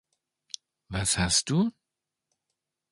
Was hast du?